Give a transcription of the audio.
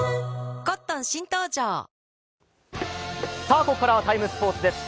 さあここからは「ＴＩＭＥ，スポーツ」です。